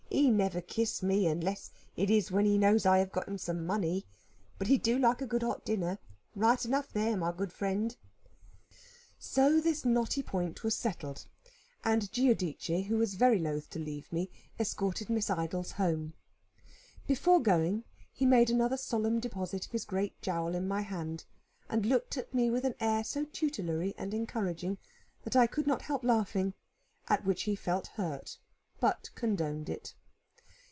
He never kiss me, unless it is when he knows I have got some money. But he do like a good hot dinner. Right enough there, my good friend." So this knotty point was settled; and Giudice, who was very loth to leave me, escorted Miss Idols home, Before going, he made another solemn deposit of his great jowl in my hand, and looked at me with an air so tutelary and encouraging, that I could not help laughing; at which he felt hurt, but condoned it.